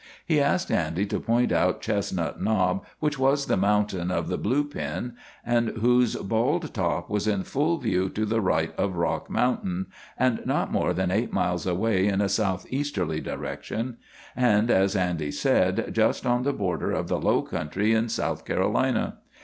He asked Andy to point out Chestnut Knob, which was the mountain of the blue pin, and whose bald top was in full view to the right of Rock Mountain, and not more than eight miles away in a southeasterly direction, and, as Andy said, just on the border of the low country in South Carolina.